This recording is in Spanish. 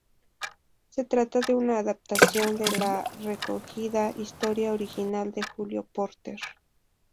Se trata de una adaptación de "La recogida", historia original de Julio Porter.